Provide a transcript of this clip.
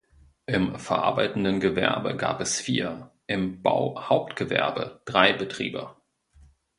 Im verarbeitenden Gewerbe gab es vier, im Bauhauptgewerbe drei Betriebe.